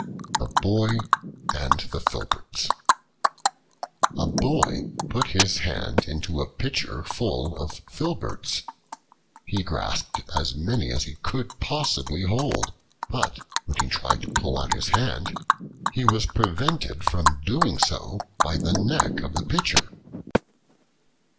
The Boy and the Filberts A BOY put his hand into a pitcher full of filberts. He grasped as many as he could possibly hold, but when he tried to pull out his hand, he was prevented from doing so by the neck of the pitcher.